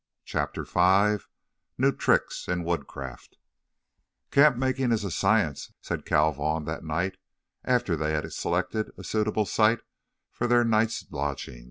CHAPTER V NEW TRICKS IN WOODCRAFT "Camp making is a science," said Cale Vaughn that night, after they had selected a suitable site for their night's lodging.